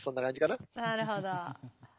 なるほど。